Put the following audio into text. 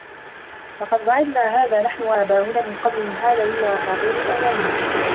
لَقَد وُعِدنا هذا نَحنُ وَآباؤُنا مِن قَبلُ إِن هذا إِلّا أَساطيرُ الأَوَّلينَ